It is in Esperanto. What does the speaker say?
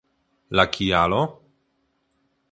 La kialo ?